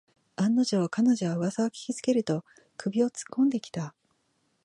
案の定、彼女はうわさを聞きつけると首をつっこんできた